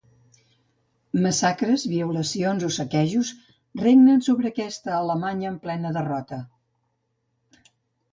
Massacres, violacions o saquejos regnen sobre aquesta Alemanya en plena derrota.